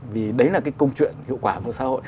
vì đấy là cái câu chuyện hiệu quả của xã hội